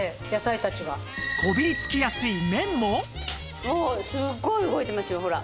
ホントにこれもうすっごい動いてますよほら。